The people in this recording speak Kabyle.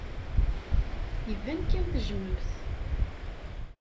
Iban kan tejjmem-t.